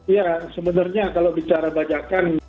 ya sebenarnya kalau bicara bajakan